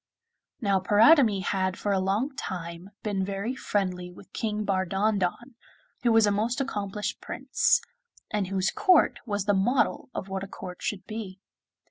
Now Paridamie had for a long time been very friendly with King Bardondon, who was a most accomplished Prince, and whose court was the model of what a court should be.